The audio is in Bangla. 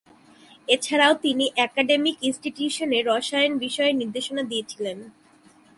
এছাড়াও তিনি একাডেমিক ইনস্টিটিউশনে রসায়ন বিষয়ে নির্দেশনা দিয়েছিলেন।